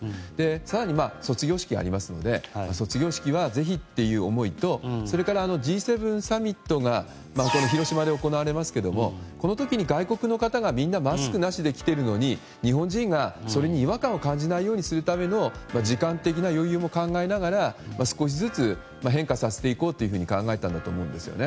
更に、卒業式がありますので卒業式は、ぜひという思いとそれから、Ｇ７サミットが今度、広島で行われますがこの時に、外国の方がみんなマスクなしで来ているのに日本人が、それに違和感を感じないようにするための時間的な余裕も考えながら少しずつ変化させていこうというふうに考えたんだと思うんですね。